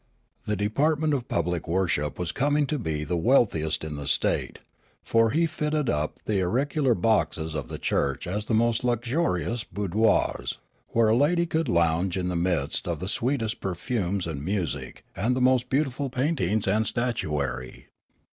The department of public worship was coming to be the wealthiest in the state ; for he fitted up the auricular boxes of the church as the most luxurious boudoirs, where a lady could lounge in the midst of the sweetest perfumes and music and the most beautiful paintings and statuary.